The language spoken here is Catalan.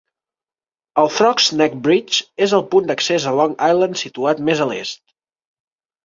El Throgs Neck Bridge és el punt d'accés a Long Island situat més a l'est.